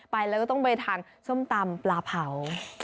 ไปแล้วก็ต้องไปทานส้มตำปลาเผา